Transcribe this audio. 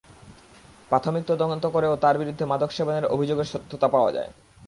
প্রাথমিক তদন্ত করেও তাঁর বিরুদ্ধে মাদক সেবনের অভিযোগের সত্যতা পাওয়া যায়।